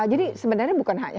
jadi sebenarnya bukan hanya